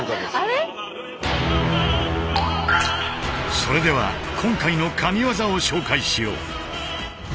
それでは今回の神技を紹介しよう。